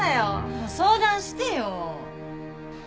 もう相談してよ。